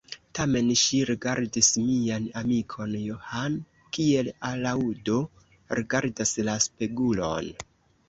Tamen ŝi rigardis mian amikon John, kiel alaŭdo rigardas la spegulon.